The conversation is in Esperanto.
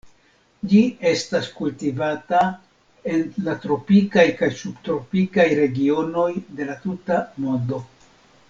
Ĝi estas kultivata en la tropikaj kaj subtropikaj regionoj de la tuta mondo.